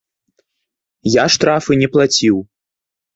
Я штрафы не плаціў.